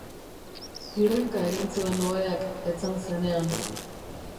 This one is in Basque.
Kirrinka egin zuen oheak etzan zenean.